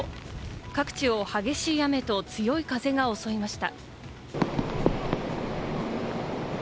各地を激しい雨と強い風が襲いました。